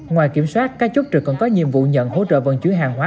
ngoài kiểm soát các chốt trực còn có nhiệm vụ nhận hỗ trợ vận chuyển hàng hóa